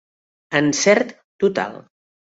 Encert total.